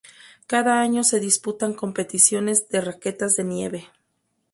Cada año se disputan competiciones de raquetas de nieve.